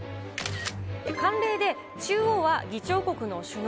慣例で、中央は議長国の首脳。